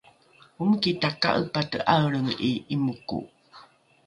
omiki taka’epate ’aelrenge ’i ’imoko